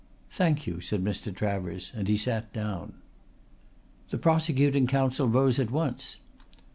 "Thank you," said Mr. Travers, and he sat down. The prosecuting counsel rose at once.